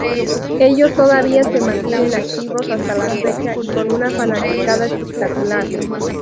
Ellos todavía se mantienen activos hasta la fecha y con una fanaticada espectacular.